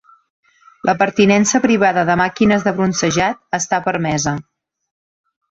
La pertinença privada de màquines de bronzejat està permesa.